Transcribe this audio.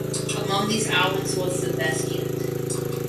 Among these albums was "The Best Yet".